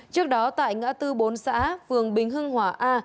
trước đó tại ngã tư bốn xã phường bình hưng hỏa a